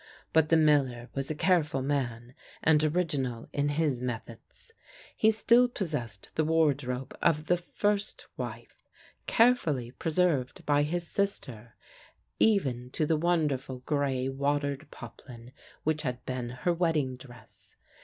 But the miller was a careful man and original in his methods. He still pos sessed the wardrobe of the first wife, carefully pre served by his sister, even to the wonderful grey 158 THE LANE THAT HAD NO TURNING watered poplin which had been her wedding dress.